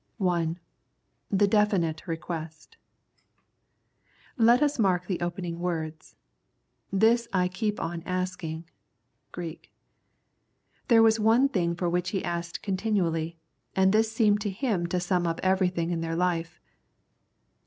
I. The Definite Request. Let us mark the opening words :" this I keep on asking " (Greek). There was one thing for which he asked continually, and this seemed to him to sum up everything in their life.